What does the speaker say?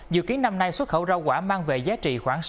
dự kiến năm nay xuất khẩu rau quả mang về giá trị khoảng sáu năm tỷ usd